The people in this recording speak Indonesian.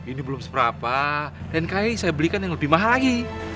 ini belum seberapa nki saya belikan yang lebih mahal lagi